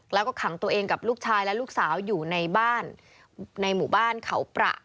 แล้วก็ขังตัวเองกับลูกชายและลูกสาวอยู่ในบ้านในหมู่บ้านเขาประ